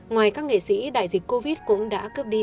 ngoài các nghệ sĩ đại dịch covid cũng đã cướp đi